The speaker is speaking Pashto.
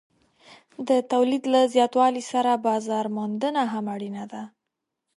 د تولید له زیاتوالي سره بازار موندنه هم اړینه ده.